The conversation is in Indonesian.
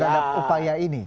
dramatisasi terhadap upaya ini